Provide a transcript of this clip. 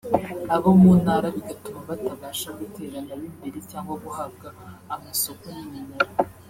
abo mu ntara bigatuma batabasha gutera nabo imbere cg guhabwa amasoko n’iminara